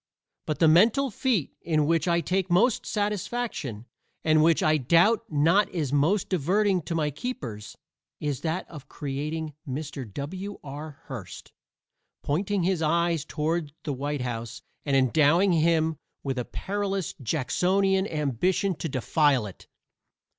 But the mental feat in which I take most satisfaction, and which I doubt not is most diverting to my keepers, is that of creating Mr. W.R. Hearst, pointing his eyes toward the White House and endowing him with a perilous Jacksonian ambition to defile it.